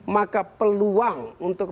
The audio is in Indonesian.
maka peluang untuk